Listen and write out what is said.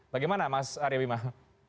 bagaimana mas arya wimah